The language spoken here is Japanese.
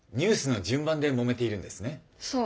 そう。